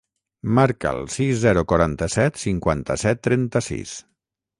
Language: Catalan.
Marca el sis, zero, quaranta-set, cinquanta-set, trenta-sis.